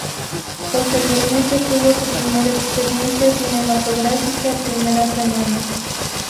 Posteriormente tuvo su primera experiencia cinematográfica primera semana.